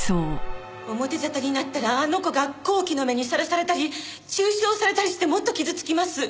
表沙汰になったらあの子が好奇の目に晒されたり中傷されたりしてもっと傷つきます。